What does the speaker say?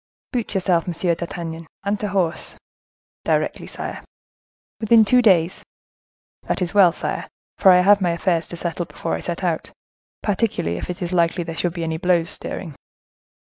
"Boot yourself, Monsieur d'Artagnan, and to horse!" "Directly, sire." "Within two days." "That is well, sire: for I have my affairs to settle before I set out; particularly if it is likely there should be any blows stirring."